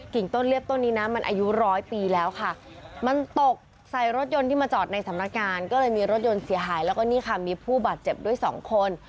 ต้นเรียบต้นนี้นะมันอายุร้อยปีแล้วค่ะมันตกใส่รถยนต์ที่มาจอดในสำนักงานก็เลยมีรถยนต์เสียหายแล้วก็นี่ค่ะมีผู้บาดเจ็บด้วยสองคน